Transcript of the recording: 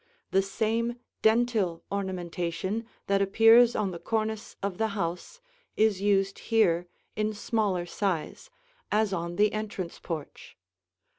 The same dentil ornamentation that appears on the cornice of the house is used here in smaller size, as on the entrance porch.